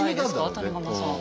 谷釜さん。